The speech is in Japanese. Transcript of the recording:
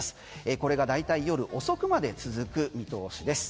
これが大体夜遅くまで続く見通しです。